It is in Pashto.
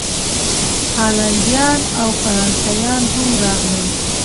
هالینډیان او فرانسویان هم راغلل.